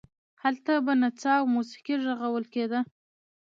هلته به نڅا او موسیقي غږول کېده.